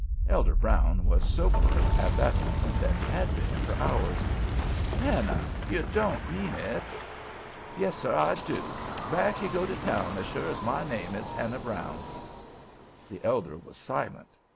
Elder Brown was soberer at that moment than he had been for hours. "Hannah, you don't mean it?" "Yes, sir, I do. Back you go to town as sure as my name is Hannah Brown." The elder was silent.